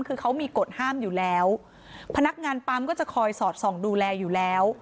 คือเขามีกฎห้ามอยู่แล้วพนักงานปั๊มก็จะคอยสอดส่องดูแลอยู่แล้ว